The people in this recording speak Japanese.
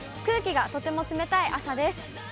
空気がとても冷たい朝です。